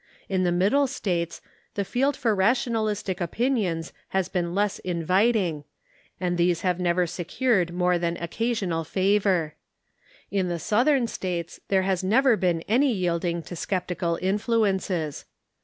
In the Middle States the field for rationalis tic opinions has been less inviting, and these have never se cured more than occasional favor. In the Southern States there has never been any yielding to sceptical influences.